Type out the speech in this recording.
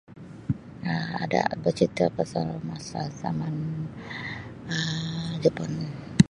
Um Ada becerita pasal masa zaman Um Jepun